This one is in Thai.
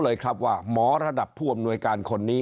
เจ้าหน้าที่เขาจะเอาปืนยิงเข้าไปที่หน้าผากปืนยิงตรวจอุณหภูมิเนี่ย